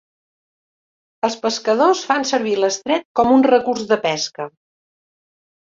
Els pescadors fan servir l'estret com un recurs de pesca.